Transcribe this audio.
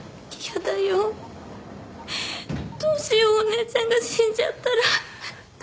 どうしようお姉ちゃんが死んじゃったら。